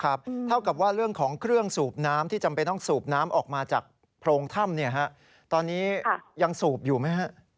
เท่ากับว่าเรื่องของเครื่องสูบน้ำที่จำเป็นต้องสูบน้ำออกมาจากโพรงถ้ำตอนนี้ยังสูบอยู่ไหมฮะ